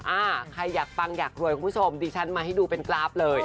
อ่าใครอยากปังอยากรวยคุณผู้ชมดิฉันมาให้ดูเป็นกราฟเลย